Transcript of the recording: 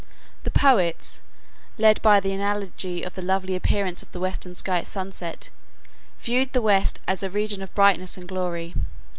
The poets, led by the analogy of the lovely appearance of the western sky at sunset, viewed the west as a region of brightness and glory.